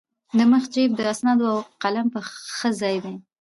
د مخ جېب د اسنادو او قلم ښه ځای دی.